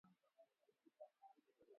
Tu fwateni shiye bote njiya ya mashamba